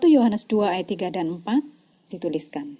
satu yohanes dua ayat tiga dan empat dituliskan